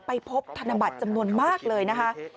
ไปพบธนบัตรจำนวนมากเลยนะคะ